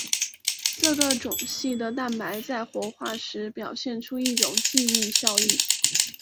这个种系的蛋白在活化时表现出一种记忆效应。